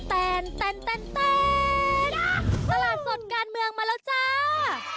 ตลาดสดการเมืองมาแล้วจ้า